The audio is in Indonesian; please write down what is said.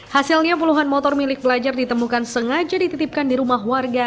hasilnya puluhan motor milik pelajar ditemukan sengaja dititipkan di rumah warga